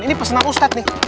ini pesanan ustadz nih